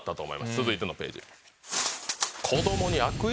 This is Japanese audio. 続いてのページ。